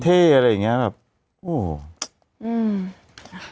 เท่อะไรอย่างเงี้ยแบบโอ้โห